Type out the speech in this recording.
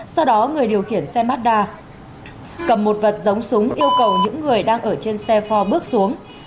sau đó người điều khiển xe mazda cầm một vật giống súng yêu cầu những người đang ở trên xe phò bước xuống